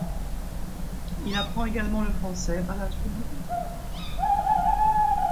Il apprend également le français à l'âge de neuf ans.